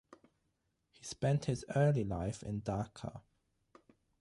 He spent his early life in Dhaka.